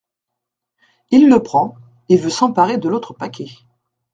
Il le prend, et veut s’emparer de l’autre paquet.